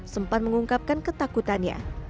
sempan mengungkapkan ketakutannya